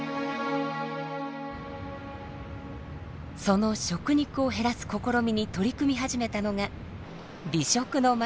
その食肉を減らす試みに取り組み始めたのが美食の街